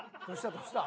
どうした？